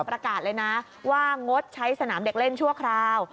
ประกาศเลยนะว่างดใช้สนามเด็กเล่นชั่วคราว